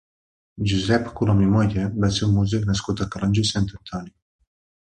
Josep Colom i Molla va ser un músic nascut a Calonge i Sant Antoni.